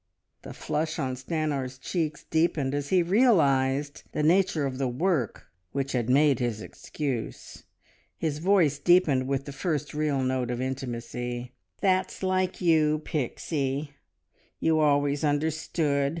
The flush on Stanor's cheeks deepened as he realised the nature of the "work" which had made his excuse. His voice deepened with the first real note of intimacy. "That's like you, Pixie! You always understood. ...